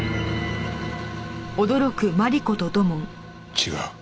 違う。